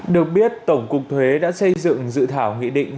được biết tổng cục thuế đã xây dựng dự thảo nghị định